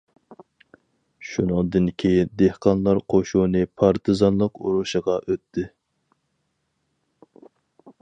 شۇنىڭدىن كېيىن دېھقانلار قوشۇنى پارتىزانلىق ئۇرۇشىغا ئۆتتى.